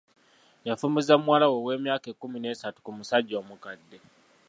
Yafumbiza muwala we ow'emyaka ekkumi n'esatu ku musajja omukadde.